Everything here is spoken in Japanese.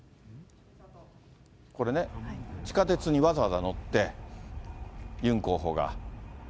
これね、地下鉄にわざわざ乗って、ユン候補が。